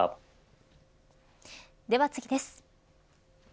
では次です。